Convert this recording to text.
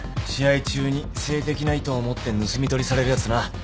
試合中に性的な意図を持って盗み撮りされるやつな。